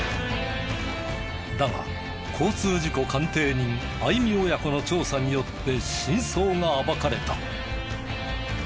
だが交通事故鑑定人相見親子の調査によって真相が暴かれた。